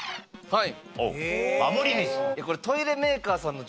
はい。